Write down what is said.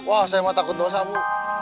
wah saya mah takut dosa bu